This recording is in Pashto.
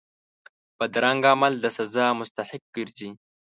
بدرنګه عمل د سزا مستحق ګرځي